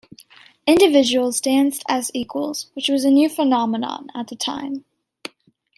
Individuals danced as equals, which was a new phenomenon at the time.